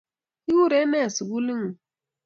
Ki kure ne sukuli ng'ung'?